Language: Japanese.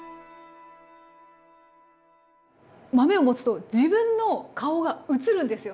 豆を持つと自分の顔が映るんですよ。